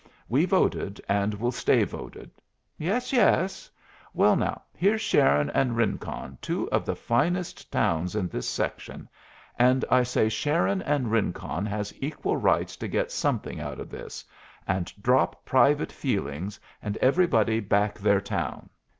We voted, and will stay voted." "Yes, yes!" "Well, now, here's Sharon and Rincon, two of the finest towns in this section, and I say Sharon and Rincon has equal rights to get something out of this, and drop private feelings, and everybody back their town.